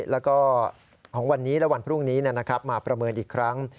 แล้วก็ของวันนี้และวันพรุ่งนี้มาประเมินอีกครั้ง